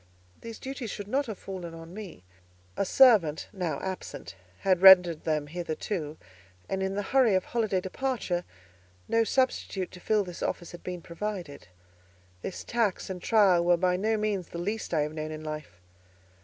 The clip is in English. These duties should not have fallen on me; a servant, now absent, had rendered them hitherto, and in the hurry of holiday departure, no substitute to fill this office had been provided. This tax and trial were by no means the least I have known in life.